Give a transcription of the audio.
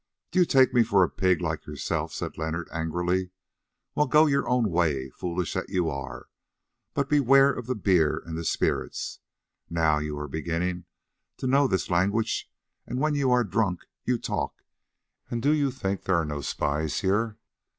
"Do you take me for a pig like yourself?" said Leonard angrily. "Well, go your own way, foolish that you are, but beware of the beer and the spirits. Now you are beginning to know this language, and when you are drunk you talk, and do you think that there are no spies here?